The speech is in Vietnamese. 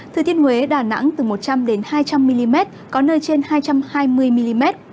thừa thiên huế đà nẵng từ một trăm linh hai trăm linh mm có nơi trên hai trăm hai mươi mm